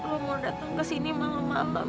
lo mau dateng kesini malem malem